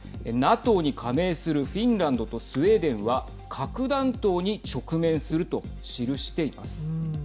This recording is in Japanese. ＮＡＴＯに加盟するフィンランドとスウェーデンは核弾頭に直面すると記しています。